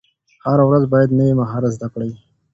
هره ورځ باید نوی مهارت زده کړئ.